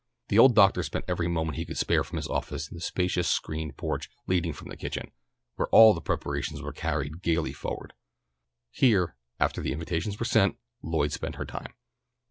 The old doctor spent every moment he could spare from his office in the spacious screened porch leading from the kitchen, where all the preparations were carried gaily forward. Here, after the invitations were sent, Lloyd spent her time.